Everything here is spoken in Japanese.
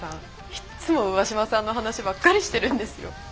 いっつも上嶋さんの話ばっかりしてるんですよ。